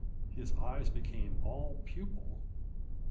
His eyes became all pupil.